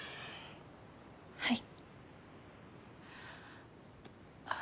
はい。